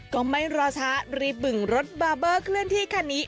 ก็ไม่รอช้ารีบบึงรถบาร์เบอร์เคลื่อนที่คันนี้